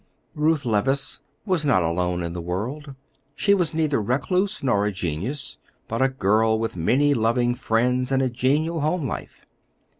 Ruth Levice was not alone in the world; she was neither recluse nor a genius, but a girl with many loving friends and a genial home life.